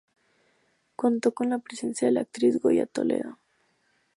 Contó con la presencia de la actriz Goya Toledo.